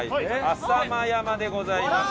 浅間山でございます。